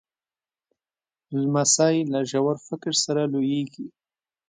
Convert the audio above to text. لمسی له ژور فکر سره لویېږي.